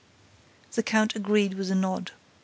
'" The count agreed with a nod.